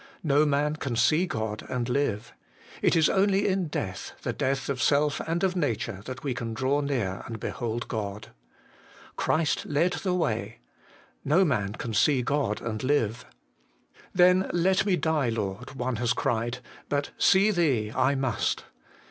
No man can see God and live. It is only in death, the death of self and of nature, that we can draw near and behold God. Christ led the way. No man can see God and live. ' Then let me die, Lord/ one has cried, ' but see Thee I must.'